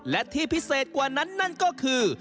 และที่พิเศษกว่านั้นนั่นก็คือ